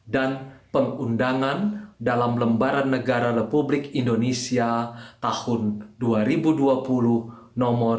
dan pengundangan dalam lembaran negara republik indonesia tahun dua ribu dua puluh nomor dua ratus empat puluh lima